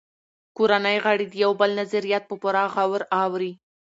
کورنۍ غړي د یو بل نظریات په غور اوري